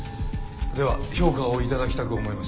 では評価を頂きたく思います。